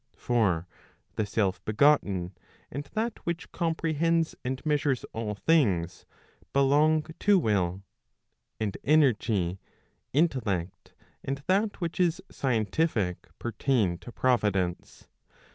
For the self begotten, and that which comprehends and measures all things, belong to will. And energy, intellect, and that which is scientific, pertain to providence.